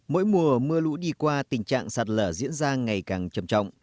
mỗi mùa mưa lũ đi qua tình trạng sạt lở diễn ra ngày càng trầm trọng